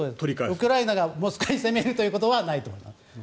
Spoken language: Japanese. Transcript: ウクライナがモスクワに攻めるということはないと思います。